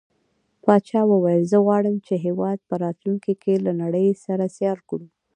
پاچا وويل: زه غواړم چې هيواد په راتلونکي کې له نړۍ سره سيال کړو.